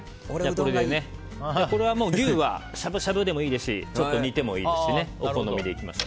これはしゃぶしゃぶでもいいですしちょっと煮てもいいですしお好みでいきましょう。